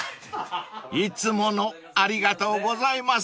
［いつものありがとうございます］